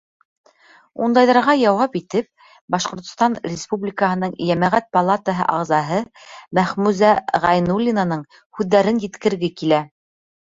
Ундайҙарға яуап итеп, Башҡортостан Республикаһының Йәмәғәт палатаһы ағзаһы Мәхмүзә Ғәйнуллинаның һүҙҙәрен еткерге килә.